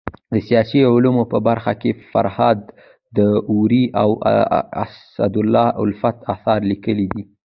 د سیاسي علومو په برخه کي فرهاد داوري او اسدالله الفت اثار ليکلي دي.